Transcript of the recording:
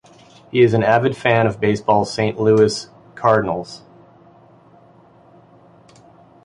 He is an avid fan of baseball's Saint Louis Cardinals.